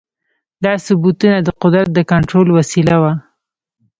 دا ثبتونه د قدرت د کنټرول وسیله وه.